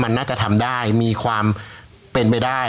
มันน่าจะทำได้มีความเป็นไปได้